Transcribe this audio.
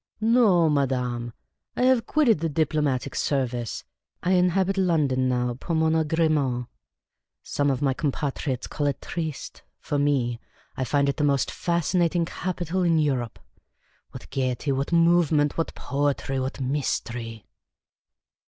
" No, madanie ; I have quitted the diplo matic service ; I inhabit Eondon now pour mo?i agrement. The Cantankerous Old Lady 19 Some of my compatriots call it tristc ; for me, I find it the most fascinating capital in Europe. What gaiety ! What movement ! What poetry ! What mystery